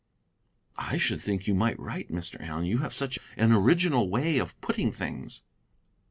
"I should think you might write, Mr. Allen, you have such an original way of putting things!"